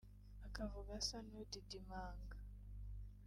akavuga asa n’udidimanga